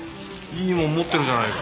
いいもん持ってるじゃないか。